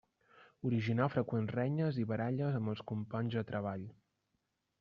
Originar freqüents renyes i baralles amb els companys de treball.